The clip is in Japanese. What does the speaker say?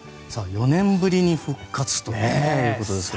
４年ぶりに復活ということですけど。